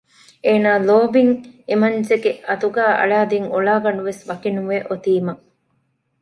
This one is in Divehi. އޭނާ ލޯބިން އެމަންޖެގެ އަތުގައި އަޅައިދިން އޮޅާގަނޑުވެސް ވަކިނުވެ އޮތީމަ